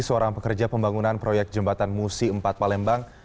seorang pekerja pembangunan proyek jembatan musi empat palembang